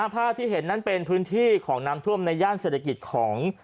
ภาพที่เห็นนั้นเป็นพื้นที่ของน้ำท่วมในย่านเศรษฐกิจของ